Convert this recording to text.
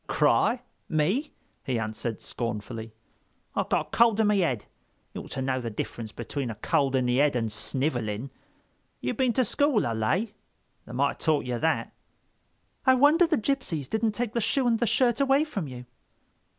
"Cry? Me?" he answered scornfully. "I've got a cold in me 'ead. You oughter know the difference between a cold in the head and sniveling. You been to school, I lay?—they might have taught you that." "I wonder the gypsies didn't take the shoe and the shirt away from you?"